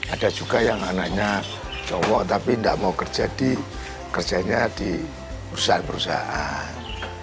ada juga yang anaknya cowok tapi tidak mau kerjanya di perusahaan perusahaan